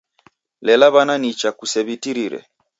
Lela w'ana nicha, kusew'itirire.